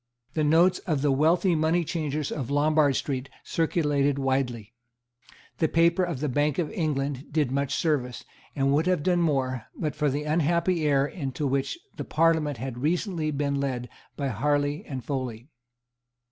The notes of the wealthy moneychangers of Lombard Street circulated widely. The paper of the Bank of England did much service, and would have done more, but for the unhappy error into which the Parliament had recently been led by Harley and Foley.